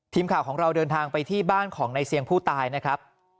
ทีมข่าวของเราเดินทางไปที่บ้านของในเสียงผู้ตายนะครับ